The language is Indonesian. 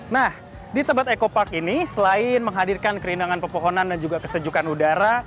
nah di tebet eco park ini selain menghadirkan kerindangan pepohonan dan juga kesejukan udara